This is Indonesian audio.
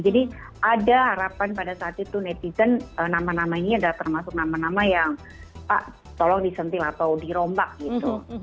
jadi ada harapan pada saat itu netizen nama nama ini ada termasuk nama nama yang pak tolong disentil atau dirombak gitu